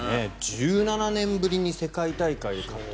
１７年ぶりに世界大会で勝った。